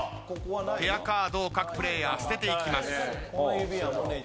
ペアカードを各プレーヤー捨てていきます。